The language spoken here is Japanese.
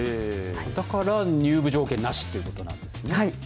だから入部条件なしということなんですね。